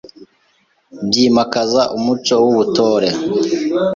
byimakaza umuco w’Ubutore.